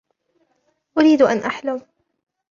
أريد أن أحلم.